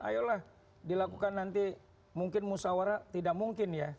ayolah dilakukan nanti mungkin musawara tidak mungkin ya